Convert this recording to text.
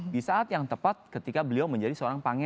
di saat yang tepat ketika beliau menjadi seorang pangeran